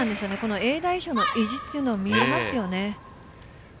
Ａ代表の意地というのが見えますね。